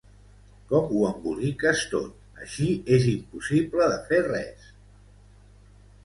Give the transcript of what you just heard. Com ho emboliques tot: així és impossible de fer res!